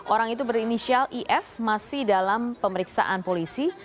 orang itu berinisial if masih dalam pemeriksaan polisi